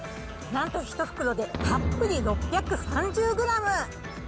なんと１袋でたっぷり６３０グラム。